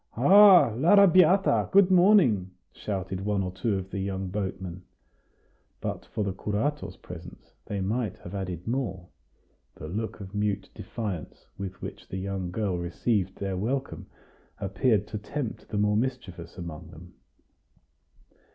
"Ha! l'Arrabiata! good morning!" shouted one or two of the young boatmen. But for the curato's presence, they might have added more; the look of mute defiance with which the young girl received their welcome appeared to tempt the more mischievous among them.